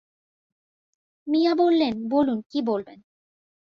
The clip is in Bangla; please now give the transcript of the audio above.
মিয়া বললেন, বলুন কি বলবেন।